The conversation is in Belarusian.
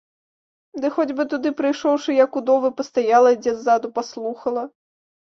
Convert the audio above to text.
Ды хоць бы, туды прыйшоўшы, як удовы, пастаяла дзе ззаду, паслухала.